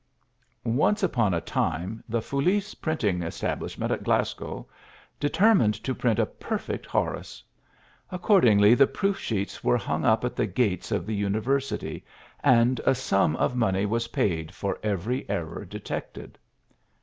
Once upon a time the Foulis printing establishment at Glasgow determined to print a perfect Horace; accordingly the proof sheets were hung up at the gates of the university, and a sum of money was paid for every error detected.